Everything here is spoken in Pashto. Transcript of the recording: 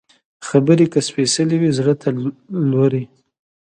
خبرې که سپېڅلې وي، زړه ته لوري